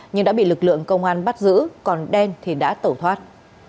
nhưng đã bị lực lượng công an bắt giữ còn đen thì đã tẩu thoát